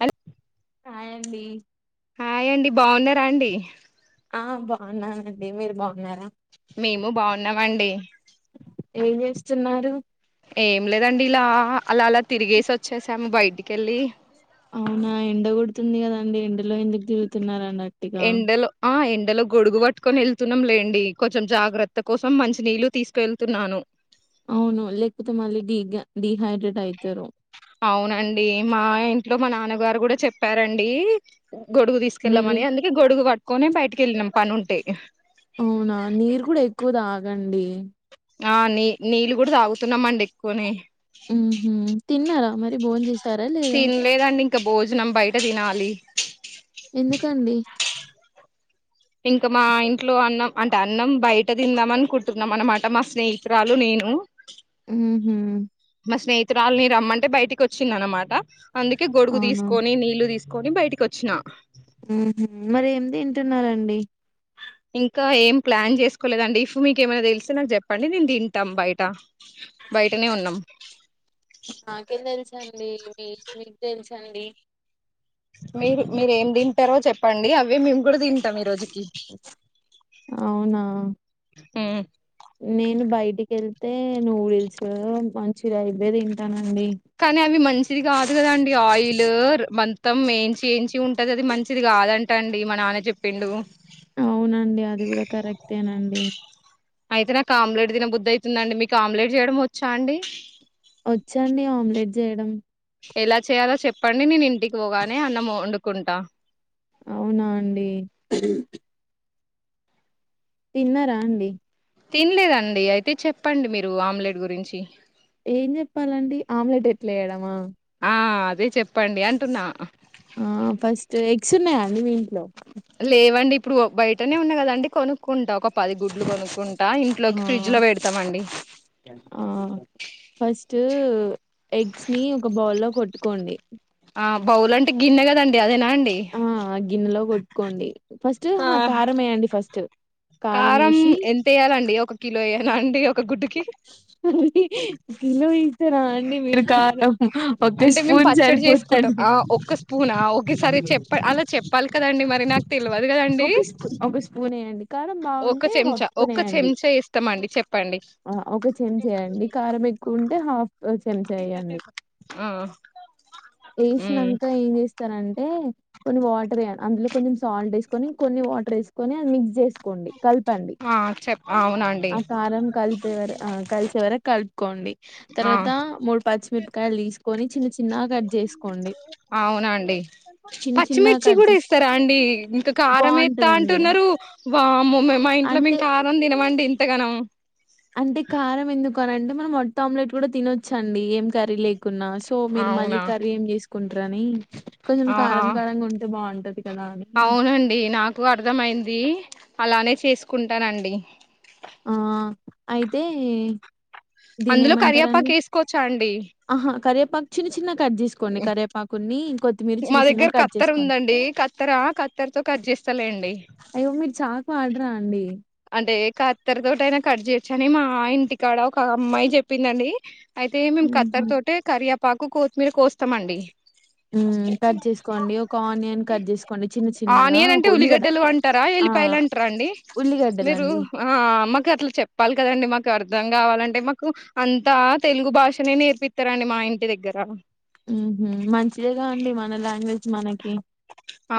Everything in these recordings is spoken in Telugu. అ హాయ్ అండి హాయ్ అండి బాగున్నారా అండి ఆ బాగున్నానండి మీరు బాగున్నారా మేము బాగున్నామండి ఏం చేస్తున్నారు ఏం లేదండి ఇలా అలా అలా తిరిగేసి వచ్చేసాము బయటిక వెళ్ళి అవునా ఎండ కొడుతుంది కదండి ఎండలో ఎందుకు తిరుగుతున్నారండి అట్టిగా ఎండలో ఆ ఎ ఎండలో గొడుగు పట్టుకొని వెళ్తున్నాం లేండి కొంచెం జాగ్రత్త కోసం మంచి నీళ్ళలు తీసుకుెళ్తున్నాను అవును లేకపోతే మళ్ళీ ీ డిహైడ్రేట్ అయితారు అవునండి మా ఇంట్లో మా నాన్నగారు కూడా చెప్పారండి గొడుగు మీరు తీసుకెళ్లామని అందుకే గొడుగు పట్ కొనే బయటకి వెళ్ళినం పని ఉంటే అవునా నీరు కూడా ఎక్కువ తాగండి ఆ నీ నీళ్ళ కూడా తగుతున్నామండి ఎక్కువనే ఉహు తిన్నరా మరి భోం చేస తినలేదు అండి ఇంకా భోజనం బయట తినాలి ఎందుకండి ఇంకా మా ఇంట్లో అన్నం అంటే అన్నం బయట తిందాం అనుకుంటున్నాం అనమాట మా స్నేహితురాలు నేను ఉహు మా స్నేహితురాలుని రమ్మంటే బయటికి కోచ్చింది అనమాట అందుకే గొడుగు అవునా తీసుకొని నీళ్ళు తీసుకో కొని బయటికి వచ్చినా ఉహు మరీ ఏమి తింటున్నారండి ఇంకా ఏం ప్లాన్ చేసుకోలేదండి ఇఫ్ మీక ఏమైనా తెలిసే నాకు చెప్పండి నేను తింటాం బయట బయటనే ఉన్నాం నాకేం తెలుసండి మీ మీకు తెలుసు డి మీరు మీరు ఏం తింటారో చెప్పండి అవి మేము కూడా తింటాం ఈ రోజుకి అవునా ఉమ్, నేను బయ టికి వెళ్తే నూడిల్స్ మంచిగా ఇవే తింటాను కానీ అవి మంచిది కాదు కదాండి ఆయిల్ మొత్తం వేంచి వేంచి ఉన్ అంటది అది మంచిది కాదంట అండి మా నాన్న చెప్పిండు అవునండి అది కూడా కరెక్టేనండి అయితే నాకు ఆమ్లేట్ తినబుద్ది అవుతుందండి మీకు ఆమ్లేట్ చేయడం వచ్చా అండి వచ్చండి ఆమ్లెట్ చేయడం ఎలా చేయాలో చెప్పండి నేను ఇంటికి పోగానే అన్నం వండుకుంటా అవునా అండి తిన్నారా అండి తినలేదండి అయితే చెప్పండి మీరు ఆమ్లెట్ గురించి ఏం చెప్పాలండి ఆమ్లెట్ ఎట్లా వేయడమా ఆ అదే చెప్ప చెప్పండి అంటున్నా ఆ ఫస్ట్ ఎగ్స్ ఉన్నాయ అండి మీ ఇంటి లేవండి ఇప్పుడు బయటనే ఉన్నా కదాండి కొనుక్కుంటా ఒక పది గుడ్లు కొనుక్కుంటా ఆ ఇంట్లోకి ఫ్రిడ్జ్ లో పెడతామండి ట్ ఎగ్స్ ని ఒక బౌల్ లో కొట్టుకోండి బౌల్ అంటే గిన్న కదండి అదేనా అండి ఆ గిన్నెలో కొట్ కోండి ఫస్ట్ ఆ కారంమే అండి ఫస్ట్ కారం ఎంత వయ్యాలండి ఒక కిలో వయాల అండి ఒక గుడ్డి అ కిలో ఇ అంటే మేము స్పూన్ పచ్చడి చేసుకుంటాం సరిపోతండి ఆ ఒక్క స్పూన్ ఒకసారి చెప్ప అలా చెప్పాలి కదండి మరి నాకు తెలియదు కదండి ఒక స్పూన్ ఒక స్పూన్ వేయండి కారం ఒక బాగుంటే హాఫ్ చెంచా స్పూన్ ఒక వేయండి చెంచా ఇస్తామ అండి చెప్పండి ఒక చెమ్ చేయండి కారం ఎక్కువ ఉంటే చన చేయండి ఆ హ్మ్ వసినాక ఏం చేస్తారంటే కొన్ని మ అందు కొంచెల్ ని కొన్ని వాటర్ వేసుకని అది మిక్స్ చేసు ఆ చె అవునండి ఆ కారం కలిపే వర ఆ కలిసే వర కలుపుకోండి ఆ తర్వాత మూడు పచ్చిమిరపకాయలు తీసుకొని చిన్న చిన్నగా కట్ చేసుకోండి అవునండి. చిన్న చిన్నగా పచ్చిమిర్చి కట్ కూడా చేసు ఏస్తారా అండి. బాగుంటందండి వము మా ఇంట్లో మేము కాదం తినమండి ఇంతగనం కారం ఎందుకు అంటే మనం మొత్త ఆమ్లెట్ కూడా తినొచ్చండి ఏం కర్రీ లే న్నా సో మీరు మళ్ళీ అవునా కర్రీ ఏం చేసుకుంటారని కొంచెం ఆహా కారం కారంంగా ఉంటే బాగుంటది కదా అని అవునండి నాకు అర్థమైంది. అలానే చేసుకుంటానండి ఆ అయితే అందులో కరియపాక దీన్నేమంటారండి? వేసుకోవచ్చా అండి అహా! కరివేపాకు చిన్న చిన్న చిన్న మా దగ్గర చిన్నగా కట్ కత్తర చేసుకోండి. ఉందండి కత్తర కత్తరతో కట్ చేస్తలే అండి అయ్యో! మీరు చాకు వాడరా అండి అంటే కత్తర తోట అయినా కట్ చేయచ్చ అని మా ఇంటికాడ ఒక అమ్మాయి చెప్పిందండి అయితే మేము కత్తరి హుహు. తోట కరియా పాకు కో మీరు కోస్తామండి ఉ కట్ చేసుకోండి ఒక ఆనియన్ కట్ చేసుకోండి చిన్న చిన్నగా ఆనియన్ ఒక అంటే ఉల్లిగడ్డ ఉల్లిగడ్డలు అంటారా ఆ ఎల్లిపాయలు అంటారా అండి ఉల్లిగడ్డ మీరు ఆ మాకు అట్లు చెప్పాలి కదండి మాకు అర్ అర్ధం కావాలంటే మాకు అంతా తెలుగు భాషనే నేర్పిస్తారండి మా ఇంటి దగ్గర ఉహు మంచిదేగా అండి మన లాంగ్వేజ్ మనకి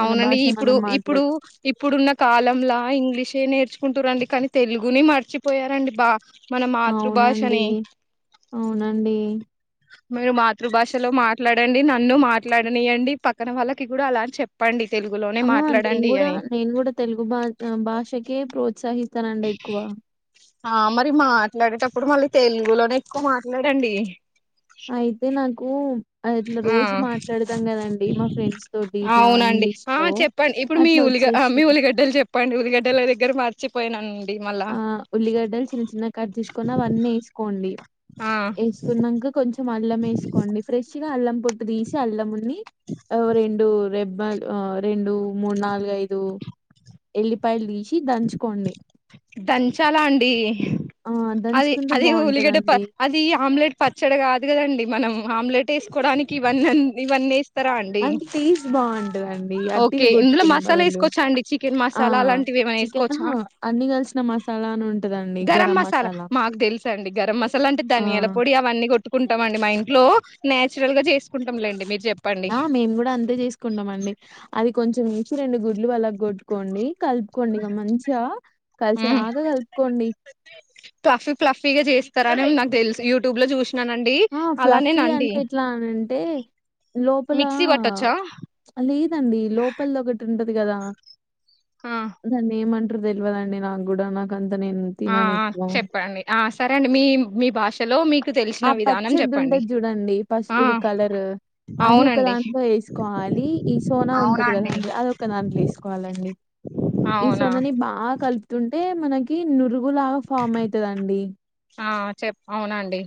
మన భాష ఇప్పుడు మనం ఇప్పుడు మాట్లాడు ఇప్పుడున్న కాలంలా ఇంగ్లీష్ నేర్చుకుంటూ రండి కానీ తెలుగుని మర్చిపోయారండి బా మన అవునండి మాతృభాషని అవునండి మీరు మాతృభాషలో మాట్లాడండి నన్ను మాట్లాడనియండి పక్కన వాళ్ళకి కూడా అలా చెప్పండి తెలుగులోనే ఆ నేన్ మాట్లాడండి కూడా అని నేను కూడా తెలుగు బా భాషకే ప్రోత్సాహి ఇస్తానండి ఎక్కువ ఆ మరి మాట్లాడేటప్పుడు మళ్ళీ తెలుగులోనే ఎక్కువ మాట్లాడండి అయితే నన్ కు ఆ మా ఫ్రెండ్స్ తోటి ఇట్లా అవునండి ఇంగ్లీష్ ఆ లో చెప్పండి ఇప్పుడు మీ అట్లా ఉలి మీ వచ్చేస్తది ఉల్లిగడ్డలు చెప్పండి ఉల్లిగడ్డలది దగ్గర మచిపోయానను ఆ ఉల్లిగడ్డలు చిన్న చిన్న కట్ తీసుకొని అవన్నీ వేసుకోండి ఆ వేసుకున్నాక కొంచెం అల్లం వేసుకోండి ఫ్రెష్ ఇగ అల్లం పొట్టు తీసి అల్లముని ఆ రెండు రె రెండు మూడు నాలుగుఐదు ఎల్లిపాయలు తీసి దంచుకోండి దంచాలా అండి ఆ అది దంచుకుంటే అది ఉల్లిగడ్డ ప బాగుంటదండి అది ఆమ్లెట్ పచ్చడి కాదు కదండి మనము ఆమ్లెట్ వేసుకోవడానికి ఇవన్నీ ఇవన్నీ ఎస్ అంటే టేస్ట్ బాగుంటదండి అట్టిగా ఓకే ఇందులో కొట్టుకునే మసాలా బదులు వేసుకోవచ్చా అండి చికెన్ ఆ మసాలా అలాంటివి ఏమైనా చికెన్ వేసుకోవచ్చా అన్ని కలిసి మసాలానుడి గరం మసాలా మాకు తెలుస అండి గరం మసాలా అంటే ఆ ధనియాల పొడి అవన్నీ కొట్ కోకుంటాండి మా ఇంట్లో నేచురల్ గా చే ఆ మేము కూడా అంతే చేసుకుంటాం అండి అది కొంచెం ఇంచి రెండు గుడ్లు పలగా కొట్టుకోండి కలుపుకోండి ఇక మంచిగా కలిసి మ్మ్ రాగా కలుపుకోండి తర నాకు తెలుస్ యూట్యూబ్ లో చూ ఆ ఫ్లఫీ అంటే ఎట్లా అన అంటే లోపలా మిక్సీ పట్టొచ్చా లేదండి లోపల ఒకటి ఉంటు కదా ఆ ధన్ ఏం తెలవదండి నాకు కూడా నాకు అ ఆ ఆ చెప్పండి ఆ సరే అండి మీ మీ భాషలో మీ ఆ పచ్చది ఉంటది చూడండి ఆ పసుపుది కలర్ అది ఒక అవునండి దాంట్లో వేసుకోవాలి ఈ సోనా ఉంటది అవునండి. కదండి అది ఒక దాంట్లో వేసుకోవాలండి ఈ అవునా సోనాని బాగా కలుపుతుంటే మనకి నురుగులాగా ఫామ్ అయితదండి ఆ చెప్ అవునండి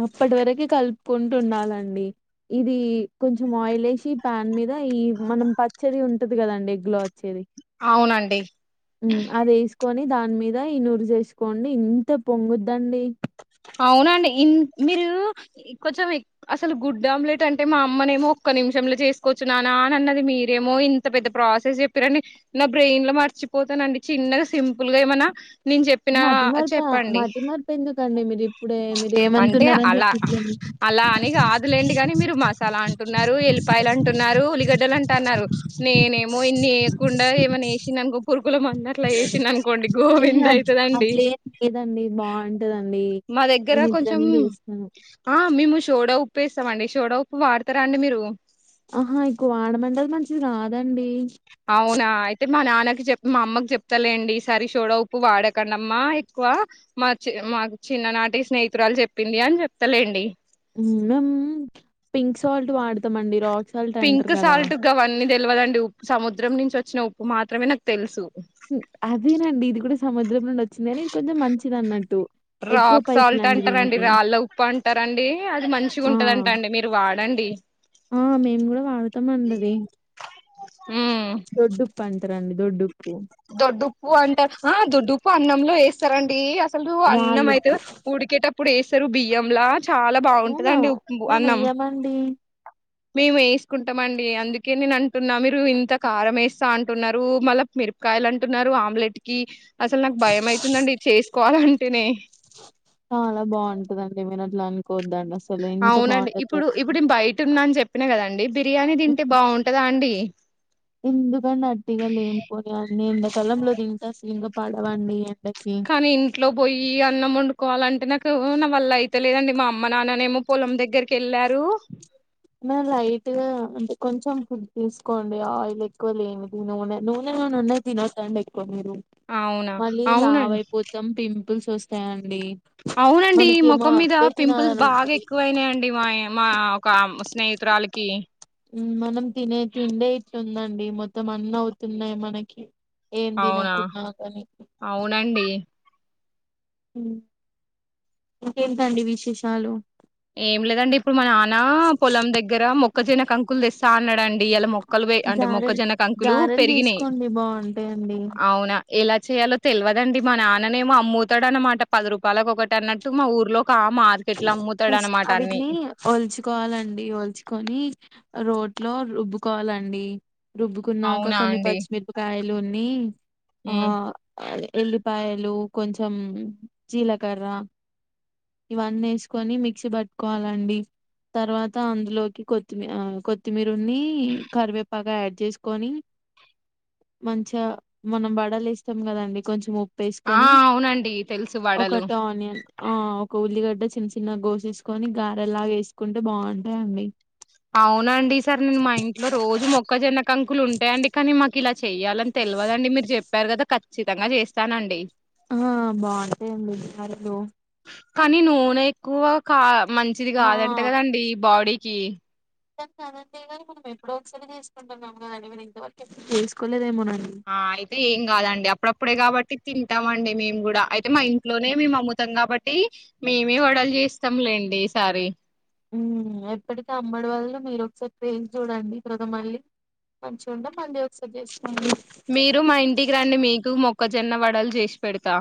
అప్పటి వరకి కలుప్కుంటూ ఉండాలండి ఇది కొంచం ఆయిల్ ఏసి ప్యాన్ మీద ఈ మనం పచ్చేది ఉంటది కదండి గ్లో వచ్చేది అవునండి మ్ అది ఏస్కొని దాన్ మీద ఈ నుర్జేస్కోండి ఇంత పొంగుద్దండి. అవునండి ఇన్ మీరు కొంచం ఎ అసలు గుడ్ ఆమ్లెట్ అంటే మా అమ్మనేమో ఒక్క నిమిషంలో చేస్కొచ్చున్నానా అనన్నది మీరేమో ఇంత పెద్ద ప్రాసెస్ చెప్పిరండి నా బ్రెయిన్లో మర్చిపోతనండి చిన్నగా సింపుల్పిగా ఏమన్న మతిమర్ప మతిమర్పెదుకండి మీరు ఇప్పుడే మీరు అంటే ఏమనుకున్నారని అలా చెప్పి ఇట్లనే అలా అని కాదులేండి కని మీరు మసాలా అంటున్నారు, ఎల్లిపాయల్ అంటున్నారు, ఉల్లిగడ్డలు అంటన్నారు. నేనేమో ఇన్ని ఏయకుండా ఏమన్న ఏసిన్ననుకో ఏ అయితదండి అట్లేం లేదండి బాగుంటదండి. మా దగ్గర నేను కొంచం ఇట్లనే చేస్తాను ఆ ఆ మేము షోడా ఉప్పేస్తామండి షోడా ఉప్పు వాడ్తరా అండి మీరు ఆహా ఎక్కో వాడమండి అది మంచిది కాదం అవునా అయితే మా నాన్నకి చెప్ మా అమ్మకి చెప్తలేండి ఈసారి షోడా ఉప్పు వాడకడంమ్మా ఎక్కువ మా చి మాకు చిన్ననాటి స్నేహితురాలు చెప్పింది అని చెప్తలేండి. [unintelligible] పింక్ సాల్ట్ వాడతాం అండి రాక్ సాల్ట్ పింక్ అంటారు కదా సాల్ట్ గవ్వని తెల్వదండి ఉప్పు సముద్రం నుంచి వ వచ్చిన ఉప్పు మాత్రమే నాక్ తెల్సు హ్మ్. అదేనండి ఇది కూడా సముద్రం నుండి వచ్చింది అని ఇది కొంచం మంచిదన్నట్టు. ఎక్కువ రాక్ సాల్ట్ పైసలండి అంటారండి దీనికి. రాళ్ళ ఉప్పు అంటారండి అది ఆ! మంచిగుంటదంట అండి మీరు వాడండి మొత్తం మండది. దొడ్డుప్ప దొడ్డుప్పుూ అంటర్ ఆ దొడ్ అన్నంలో ఏస్తారండి అస సలు అన్నమయితే రాళ్ళుప్పు. ఉడికేట ఇప్పుడు ఏస్తారు బియ్యంలా చాలా అవునా! బాగుంటదండి ఉప్ అన్నం మేమెయ్యమండి. మేము ఏస్కుంటమండి అందుకే నేన్ అంటున్నా మీరు ఇంత కారం ఏస్తా అంటున్నరు మళ్ళ మిరపకాయలంటున్నరు ఆమ్లెట్కి అసలు నాక్ భయం అయితుందండి చేస్ కకోవాలంటేనే చాలా బాగుంటదండి మీర్ అట్ల అనుకోద్దండి అసల్ అవునండి ఇప్పుడు ఇప్పుడు నేన్ బైటున్న అన్ చెప్ ప్పిన కదండి బిర్యానీ తింటే బాగుంటదా అండి అ ఎందు అట్టిగా లేనిపోని అన్నీ ఎండాకాలంలో తింటే అసల్ ఇంకా పడవండి ఎండకి కానీ సో నా వల్ల అయితేలేదండి మా అమ్మ నాన్ననేమో పొలం దగ్గరకి వెళ్ళారు లైట్ గాంటే కొంచెం ఫుడ్ తీసుకోండి ఆయిల్ ఎక్కువ లేనిది నూనె నూనె నూనెన్నాయి తినొద్దండిక్ అవునా! మళ్ళీ లావ అవునండి. అయిపోతాం పిం పప్పుల్స్ వస్తాయండి అవునండి మనకేమో ముఖం మీద అవే పింపుల్స్ తినాలని బాగా ఉంటది ఎక్కువయినాయండి మా మా ఒక స్నేహితురాలికి మనం తినే తిండే ఇట్లుందండి మొత్తం అన్న అవుతున్నాయి మనకి ఏం అవునా తినకున్నా కాని అవునండి ఇంకే తండి విశేషాలు ఏం లేదండి ఇప్పుడు మా నాన్న పొలం దగ్గర మొక్క ఒక జనాక అంకులు సాన డి ఇలా మొక్కలు అంటే గారెలు మొక్కజొ కంకులు గారెలు పెరిగినాయి చేసుకోండి బాగుంటాయండి అవునా ఎలా చేయాలో తెలివదండి మా నాన్ననేమో అమ్ముతాడు అన్నమాట పది రూపాయలకి ఒకటి అన్నట్టు మా ఊర్లో మార్కెట్లా ఫస్ట్ అవిటిని ఒల్చుకోవాలండి ఒల్చుకొని రోడ్ లో రుబ్బుకోవాలండి రుబ్బుకున్నాక అవునా కొన్ని అండి. పచ్చిమిరపకాయలు ఉన్ని ఆ హ్మ్. ఎల్లిపాయలు కొంచెం జీలకర్ర ఇవన్నీ వేసుకొని మిక్సీ పట్టుకోవాలండి తర్వాత అందులోకి కొత్తిమీ కొత్తిమీర కరివేపాగాడ్ చేసుకొని మంచి మనం బడలుస్తాం కదండి కొంచెం ఆ వేసుకొని అవునండి తెలుసు వాడలు కూల్లిగడ్డ చిన్న చిన్న గోసేసుకొని గారెలా వేసుకుంటే బాగుంటాయండి అవునండి సార్ నేను మా ఇంట్లో రోజు మొక్కజొన్నకం లు ఉంటాయండి కానీ కి ఇలా చెయ్యాలని తెలియదండి మీరు చెప్పారు కదా ఖచ్చితంగా చేస్తానండి ఆ బాగుంటాయండి బారలు కానీ నూనె ఎక్కువ కా మంచిది ఆ కాదంటే కదండీ ఈ బాడీ క దక అంతేగాని మనం ఎప్పుడ ఒకసారి చేసుకుంటాం మమాని మ ఇంతవరకు ఎప్పుడు చేసుకోలేదేమో ఆ అయితే ఏం కాదండి అప్పుడప్పుడే కాబట్టి తింటామ అండి మేము కూడా అయితే మా ఇంట్లోనే మేము అమ్ముతాం కాబట్టి మేమే వడలు చేస్తాంలేండి ఈసారి ఎప్పటికీ అమ్మడి వాళ్ళు మీరు ఒకసారి ట్రేసి చూడండి కవాత మళ్ళీ మంచిగాంటే మళ్ళీ ఒకసారి చేసు మీరు మా ఇంటికి రండి మీకు మొ క్కజొన్న వడలు చేసి పెడతా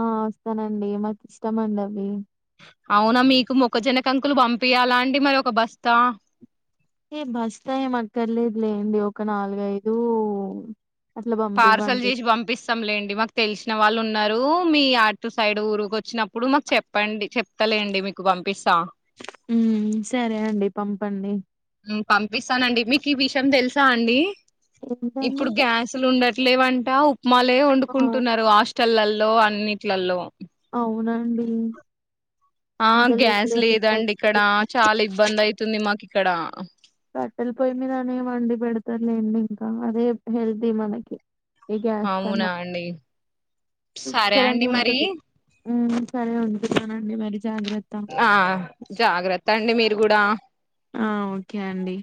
ఆహ్ వస్తానండి మాకు ఇష్టమండి అవి అవునా మీకు మొక్కజొన్నకంకులు పంపి యాల అండి మరి ఒక బస్తా. ఏ బస్తా ఏం అక్కర్లేదు లేండి ఒక నాలుగైదూ పార్సల్ జేసి పంపిస్తాంలేండి మాకు తెలిసిన వాళ్ళు ఉ న్నారు మీ అటు సైడు ఊరు కొచ్చినప్పుడు మాకు చెప్పండి చెప్తలేండి మీకు పంపిస్తా. మ్మ్ సరే అండి పంపండి పంపిస్తానండి మీకు ఈ విషయం తెలుసా అండి ఏంటండి ఇప్పుడు గ్యాసులు ఉండట్లేవంట మలే ఆ వండుకుంటున్నారు హాస్టల్ ల్లల్ లో అన్నిట్లలో బిన్ ఆహ్ గ్యాస్ లేదండి ఇక్కడ చాలా ఇబ్బంది అయితుంది మాకి ఇక్కడ సర్లేండి ఇంకా రేప్ హెల్తీ మనకి ఈ గ్యాస్ అవునా కన్నా అండి సరే అండి మరీ మ్మ్ సరే ఉంచతానండి మరి జాగ్రత్త ఆహ్ జాగ్రత్త అండి మీరు గూడా ఆహ్ ఓకే అండి